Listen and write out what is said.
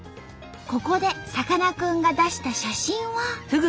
ここでさかなクンが出した写真は。